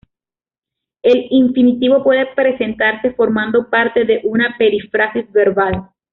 El infinitivo puede presentarse formando parte de una perífrasis verbal.